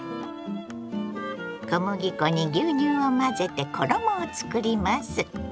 小麦粉に牛乳を混ぜて衣を作ります。